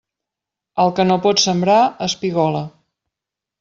El que no pot sembrar, espigola.